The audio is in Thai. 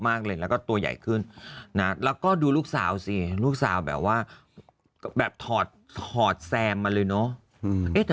ไม่เล่นเองยังอยากเล่นละครเลยยังปากเก่งไหมเธอ